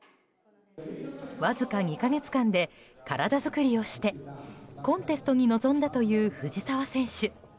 わずか２か月間で体作りをしてコンテストに臨んだという藤澤選手。